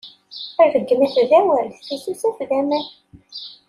Rregmat d awal, tisusaf d aman.